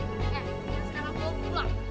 eh sekarang aku mau pulang